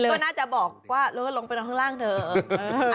จริงก็น่าจะบอกว่าเราก็ลงไปลงทางล่างเถอะ